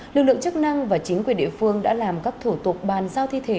lực lượng chức năng và chính quyền địa phương đã làm các thủ tục bàn giao thi thể